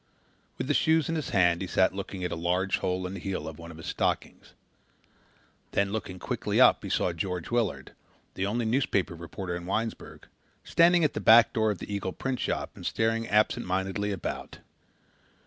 With the shoes in his hand he sat looking at a large hole in the heel of one of his stockings. Then looking quickly up he saw George Willard, the only newspaper reporter in Winesburg, standing at the back door of the Eagle printshop and staring absentmindedly about.